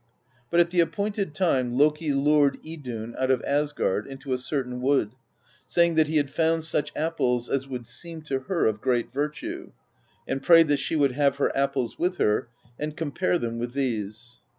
But at the appointed time Loki lured Idunn out of As gard into a certain wood, saying that he had found such apples as would seem to her of great virtue, and prayed that she would have her apples with her and compare them with these.